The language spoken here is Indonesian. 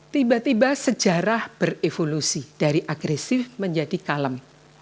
tiba tiba sejarah berevolusi dari agresif menjadi kalem